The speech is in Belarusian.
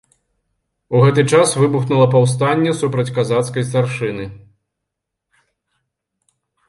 У гэты час выбухнула паўстанне супраць казацкай старшыны.